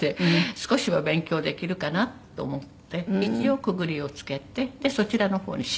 少しは勉強できるかなと思って一応区切りをつけてそちらの方にシフトして。